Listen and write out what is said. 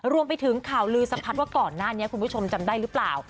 รวมไปถึงข่าวลือสะพัดว่าก่อนหน้านี้คุณผู้ชมจำได้หรือเปล่า